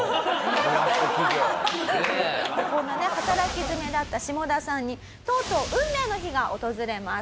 こんなね働き詰めだったシモダさんにとうとう運命の日が訪れます。